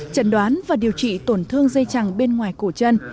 chẩn đoán và điều trị tổn thương dây chằng bên ngoài cổ chân